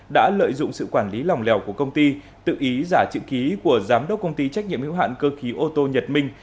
đã lợi dụng sự quản lý lòng lèo của công ty tự ý giả chữ ký của giám đốc công ty trách nhiệm hữu hạn cơ khí ô tô nhật minh